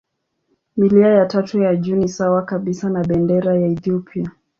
Milia ya tatu ya juu ni sawa kabisa na bendera ya Ethiopia.